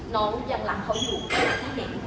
น้องยังรักเขาอยู่ก็อย่างที่เห็น